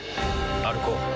歩こう。